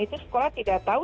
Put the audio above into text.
itu sekolah tidak tahu